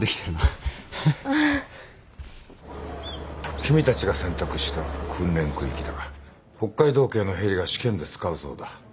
君たちが選択した訓練空域だが北海道警のヘリが試験で使うそうだ。